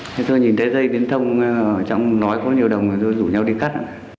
thế tôi nhìn thấy dây viễn thông ở trong nói có nhiều đồng rồi tôi rủ nhau đi cắt